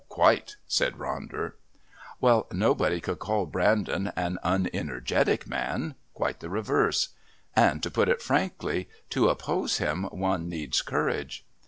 "Quite," said Ronder. "Well, nobody could call Brandon an unenergetic man quite the reverse. And, to put it frankly, to oppose him one needs courage.